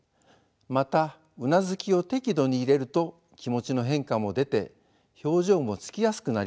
またうなずきを適度に入れると気持ちの変化も出て表情もつきやすくなります。